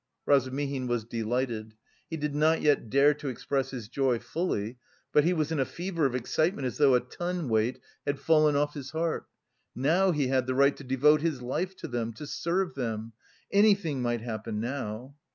Razumihin was delighted. He did not yet dare to express his joy fully, but he was in a fever of excitement as though a ton weight had fallen off his heart. Now he had the right to devote his life to them, to serve them.... Anything might happen now!